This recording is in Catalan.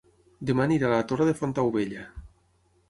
Dema aniré a La Torre de Fontaubella